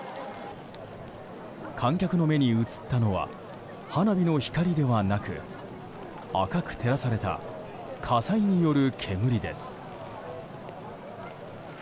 観客の目に映ったのは花火の光ではなく赤く照らされた火災による煙です。